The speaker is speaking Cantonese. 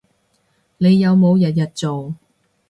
你有冇日日做